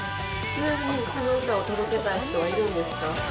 この歌を届けたい人はいるんですか？